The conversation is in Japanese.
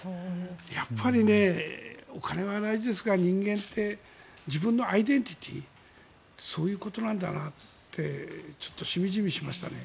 やっぱりお金は大事ですが人間って自分のアイデンティティーそういうことなんだなってしみじみしましたね。